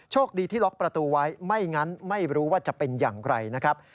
คดีที่ล็อกประตูไว้ไม่งั้นไม่รู้ว่าจะเป็นอย่างไรนะครับ